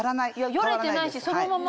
よれてないしそのまま。